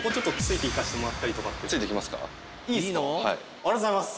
ありがとうございます。